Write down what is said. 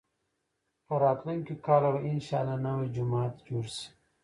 تر راتلونکي کاله به انشاالله نوی جومات جوړ شي.